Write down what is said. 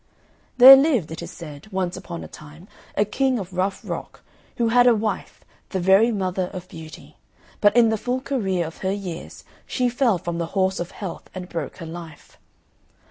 There lived, it is said, once upon a time a King of Rough Rock, who had a wife the very mother of beauty, but in the full career of her years she fell from the horse of health and broke her life.